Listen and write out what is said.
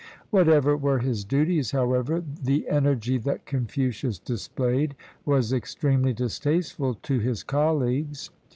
Whatever were his duties, however, the energy that Confucius displayed was extremely dis tasteful to his colleagues.